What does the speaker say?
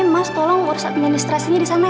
mas tolong ursa administrasinya di sana ya